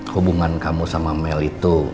hubungan kamu sama mel itu